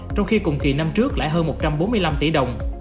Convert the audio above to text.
trong khi cùng kỳ năm trước lại hơn một trăm bốn mươi năm tỷ đồng